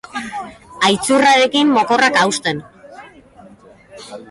Aitzurrarekin mokorrak hausten.